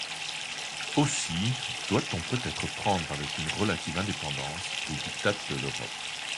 Aussi doit-on peut-être prendre avec une relative indépendance les diktats de l’Europe.